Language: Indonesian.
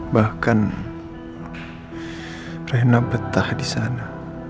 bahkan rena betah di sana